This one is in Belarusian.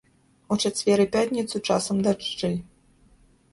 У чацвер і пятніцу часам дажджы.